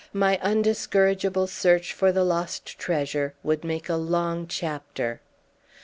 My undiscourageable search for the lost treasure would make a long chapter.